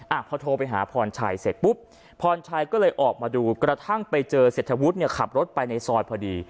อ่ะพอโทรไปหาพรชัยเสร็จปุ๊บพรชัยก็เลยออกมาดูกระทั่งไปเจอเศรษฐวุฒิเนี่ยขับรถไปในซอยพอดี